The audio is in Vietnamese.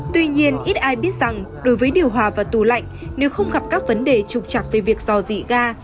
tuy nhiên ít ai biết rằng đối với điều hòa và tù lạnh nếu không gặp các vấn đề trục chặt về việc dò dị ga